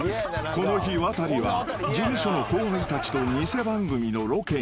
［この日ワタリは事務所の後輩たちと偽番組のロケに］